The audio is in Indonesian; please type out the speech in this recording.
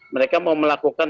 mereka mau melakukan